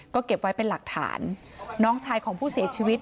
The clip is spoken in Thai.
ก็เก็บไว้เป็นหลักฐานน้องชายของผู้เสียชีวิต